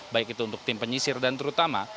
baik itu untuk tim penyisir dan terutama